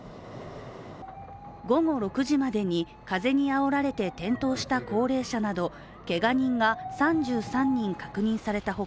午後６時までに風にあおられて転倒した高齢者など、けが人が３３人確認された他